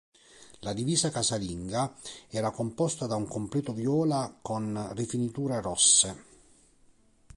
La divisa casalinga era composta da un completo viola con rifiniture rosse.